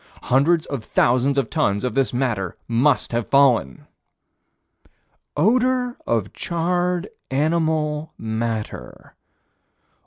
Hundreds of thousands of tons of this matter must have fallen. "Odor of charred animal matter."